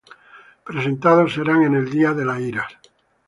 Presentados serán en el día de las iras.